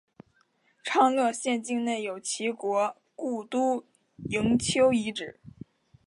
昌乐县境内有齐国故都营丘遗址。